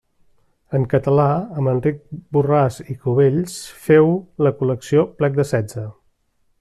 En català, amb Enric Borràs i Cubells, féu la col·lecció Plec de Setze.